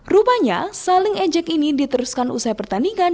rupanya saling ejek ini diteruskan usai pertandingan